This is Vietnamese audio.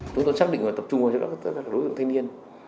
chúng tôi xác định và tập trung vào cho các đối tượng thanh niên